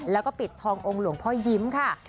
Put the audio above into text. แล้วก็ปิดทององค์หลวงพ่อยิ้มค่ะ